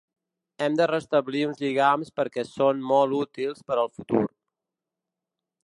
Hem de restablir uns lligams perquè són molt útils per al futur.